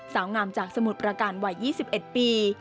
สาวงามจากสมุทรประการวัย๒๑ปี